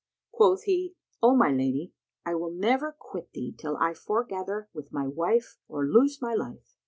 Quoth he, "O my lady, I will never quit thee till I foregather with my wife or lose my life!"